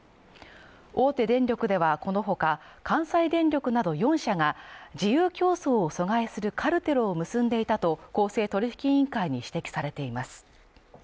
大手電力ではこの他、関西電力など４社が自由競争を阻害するカルテルを結んでいたと公正取引委員会に指摘されています。